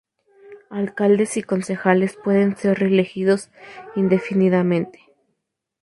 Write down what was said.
Alcaldes y concejales pueden ser reelegidos indefinidamente.